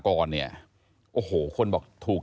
คนบอกถูกที่ถูกเวลากับ